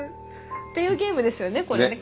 っていうゲームですよねこれ。ね。